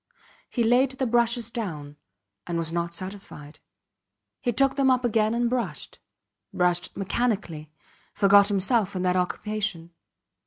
He laid the brushes down, and was not satisfied. He took them up again and brushed, brushed mechanically forgot himself in that occupation.